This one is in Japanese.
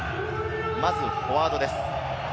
まずフォワードです。